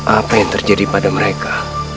apa yang terjadi pada mereka